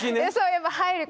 やっぱ入るから。